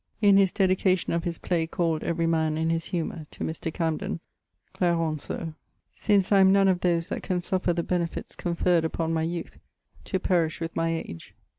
[IV.] In his dedication of his play called Every man in his humour to Mr. Camden, Clarenceaux: 'Since I am none of those that can suffer the benefits confer'd upon my youth to perish with my age.